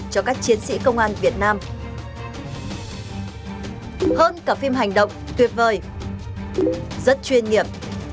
cho các chiến sĩ công an việt nam hơn cả phim hành động tuyệt vời rất chuyên nghiệp